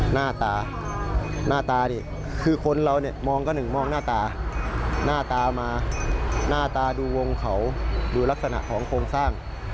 หน้าตาหน้าตานี่คือคนเราเนี่ยมองก็หนึ่งมองหน้าตาหน้าตามาหน้าตาดูวงเขาดูลักษณะของโครงสร้าง